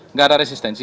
enggak ada resistensi